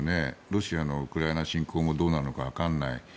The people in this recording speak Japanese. ロシアのウクライナ侵攻もどうなるのかわからない。